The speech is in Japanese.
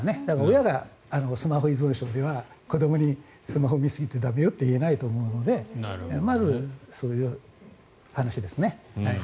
親がスマホ依存症では子どもにスマホを見すぎちゃ駄目よと言えないと思うのでまず、そういう話ですよね。